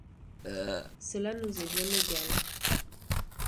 Cela nous est bien égal.